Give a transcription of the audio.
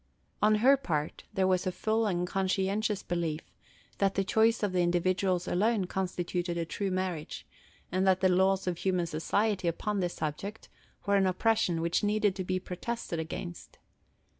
On her part, there was a full and conscientious belief that the choice of the individuals alone constituted a true marriage, and that the laws of human society upon this subject were an oppression which needed to be protested against.